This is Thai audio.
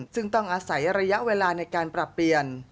ซึ่งต้องอาศัยระยะเวลาในการปรับเปลี่ยน